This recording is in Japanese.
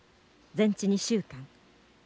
全治２週間。